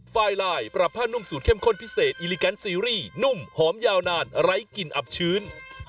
ไฟลายปรับผ้านุ่มสูตรเข้มข้นพิเศษอิลิแกนซีรีส์นุ่มหอมยาวนานไร้กลิ่นอับชื้น